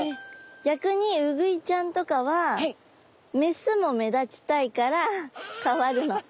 逆にウグイちゃんとかはメスも目立ちたいから変わるの。